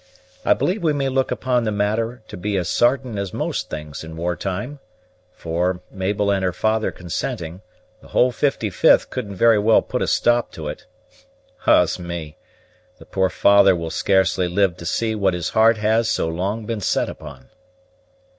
I believe we may look upon the matter to be as sartain as most things in war time; for, Mabel and her father consenting, the whole 55th couldn't very well put a stop to it. Ah's me! The poor father will scarcely live to see what his heart has so long been set upon."